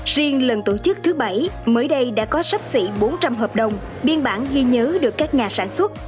riêng lần tổ chức thứ bảy mới đây đã có sắp xỉ bốn trăm linh hợp đồng biên bản ghi nhớ được các nhà sản xuất